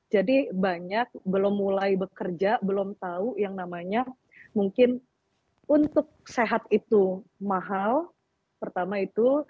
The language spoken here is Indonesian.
banyak belum mulai bekerja belum tahu yang namanya mungkin untuk sehat itu mahal pertama itu